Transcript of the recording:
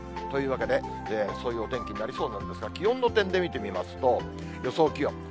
というわけで、そういうお天気になりそうなんですが、気温の点で見てみますと、予想気温。